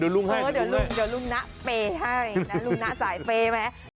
เดี๋ยวลุงนะเปย์ให้ลุงนะสายเปย์ไหม